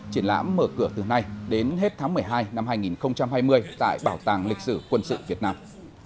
triển lãm mở cửa từ nay đến hết tháng một mươi hai năm hai nghìn hai mươi tại bảo tàng lịch sử quân sự việt nam